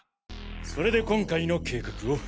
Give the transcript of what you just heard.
それで今回の計画を？